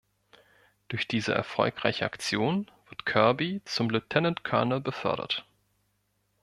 Durch diese erfolgreiche Aktion wird Kirby zum Lieutenant Colonel befördert.